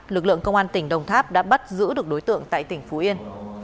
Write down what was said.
lực lượng công an tỉnh đồng tháp đã bắt giữ được đối tượng tại tỉnh phú yên